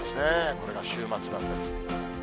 これが週末なんです。